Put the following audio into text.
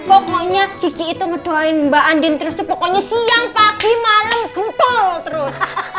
pokoknya kiki itu ngedoain mbak andin terus tuh pokoknya siang pagi malem gemtul terus